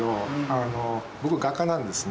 あの僕画家なんですね。